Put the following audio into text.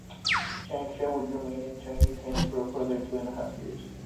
Changsha would remain in Chinese hands for a further two and a half years.